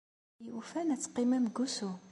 A win yufan ad teqqimem deg wusu.